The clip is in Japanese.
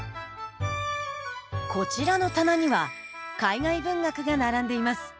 こちらの棚には海外文学が並んでいます。